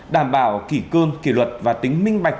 đảm bảo kỷ cương kỷ luật và tính minh bạch